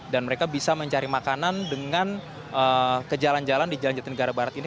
dan mereka bisa mencari makanan dengan ke jalan jalan di jalan jatuh negara barat ini